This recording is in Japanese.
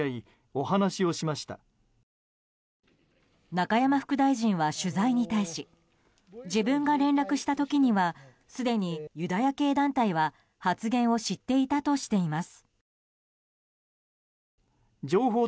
中山副大臣は取材に対し自分が連絡した時にはすでにユダヤ系団体は発言を知っていたとしています。